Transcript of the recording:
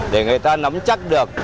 để người ta nắm chắc được